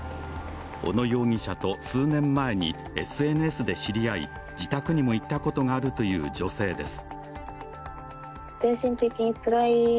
小野容疑者と数年前にＳＮＳで知り合い、自宅にも行ったことがあるという女性です。